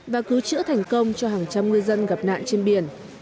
và cứu chữa thành công cho hàng trăm ngư dân gặp nạn trên biển